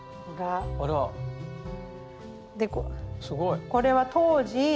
すごい！これは当時。